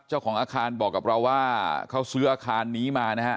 เจ้าของอาคารบอกกับเราว่าเขาซื้ออาคารนี้มานะฮะ